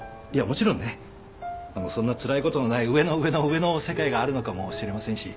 もちろんねそんなつらいことのない上の上の上の世界があるのかもしれませんし。